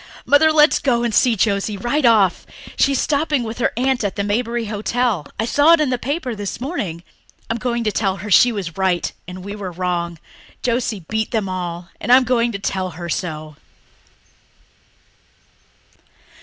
Mother, let us go and see Josie right off. She's stopping with her aunt at the Maberly Hotel I saw it in the paper this morning. I'm going to tell her she was right and we were wrong. Josie's beat them all, and I'm going to tell her so!"